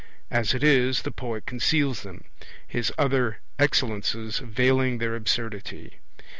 As it is, the poet conceals them, his other excellences veiling their absurdity.